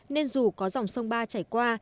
nên dù có dòng sông ba chảy qua